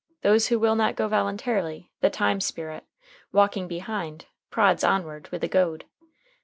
Those who will not go voluntarily, the time spirit, walking behind, prods onward with a goad.